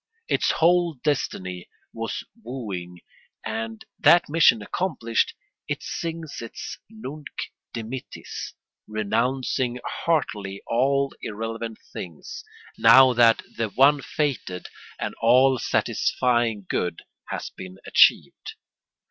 Its whole destiny was wooing, and, that mission accomplished, it sings its Nunc dimittis, renouncing heartily all irrelevant things, now that the one fated and all satisfying good has been achieved.